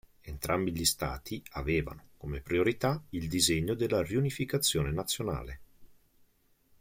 Entrambi gli stati avevano, come priorità, il disegno della riunificazione nazionale.